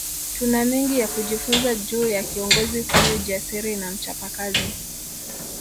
Tuna mengi ya kujifunza juu ya kiongozi huyu jasiri na mchapakazi